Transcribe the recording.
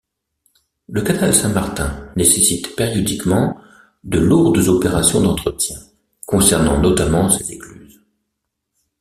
Le canal Saint-Martin nécessite périodiquement de lourdes opérations d’entretien, concernant notamment ses écluses.